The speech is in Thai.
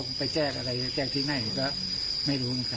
ครับนี่คือจัดการเองนะครับไปแจ้งอาหารที่ในก็ไม่รู้ค่ะ